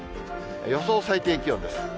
予想最低気温です。